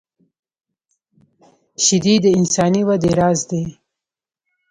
شیدې د انساني وده راز دي